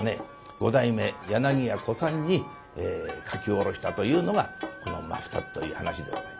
五代目柳家小さんに書き下ろしたというのがこの「真二つ」という噺でございまして。